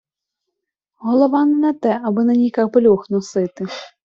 Голова не на те, аби на ній капелюх носити.